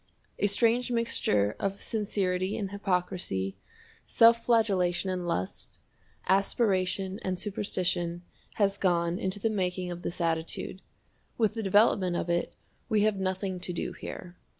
A strange mixture of sincerity and hypocrisy, self flagellation and lust, aspiration and superstition, has gone into the making of this attitude. With the development of it we have nothing to do here.